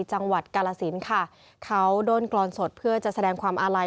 จังหวัดกาลสินค่ะเขาด้นกรอนสดเพื่อจะแสดงความอาลัย